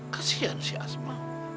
kesian si asma